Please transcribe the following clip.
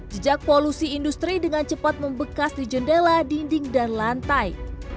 jejak polusi industri dengan cepat membekas di jendela dinding dan lantai